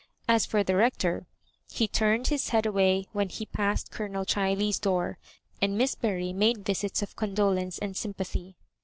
As for the Rector, he turned his head away when he passed Colonel Chiley's door, and Miss Bury made visits of condolence and sympathy.